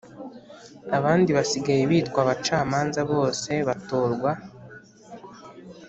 abandi basigaye bitwa Abacamanza Bose batorwa